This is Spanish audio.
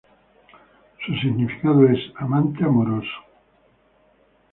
Su significado es "amante, amoroso".